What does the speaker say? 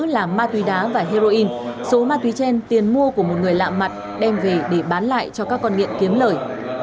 là ma túy đá và heroin số ma túy trên tiền mua của một người lạ mặt đem về để bán lại cho các con nghiện kiếm lời